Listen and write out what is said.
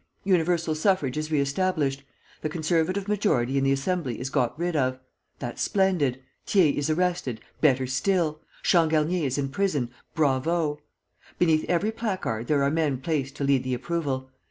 Universal suffrage is reestablished. The conservative majority in the Assembly is got rid of, that's splendid! Thiers is arrested, better still! Changarnier is in prison, bravo!' Beneath every placard there are men placed to lead the approval.